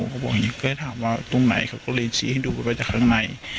เขาบอกอย่างนี้ก็เลยถามว่าตรงไหนเขาก็เลยชี้ให้ดูไปจากข้างใน